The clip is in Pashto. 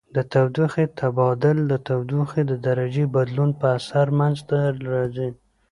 د تودوخې تبادل د تودوخې د درجې بدلون په اثر منځ ته راځي.